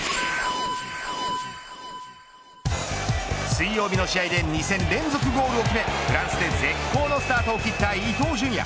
水曜日の試合で２戦連続ゴールを決めフランスで絶好のスタートを切った伊東純也。